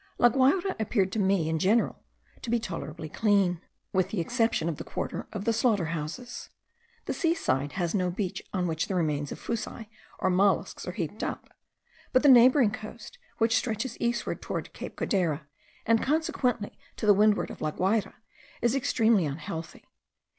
La Guayra appeared to me in general to be tolerably clean, with the exception of the quarter of the slaughter houses. The sea side has no beach on which the remains of fuci or molluscs are heaped up; but the neighbouring coast, which stretches eastward towards Cape Codera, and consequently to the windward of La Guayra, is extremely unhealthy.